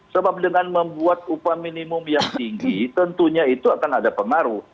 sebab dengan membuat upah minimum yang tinggi tentunya itu akan ada pengaruh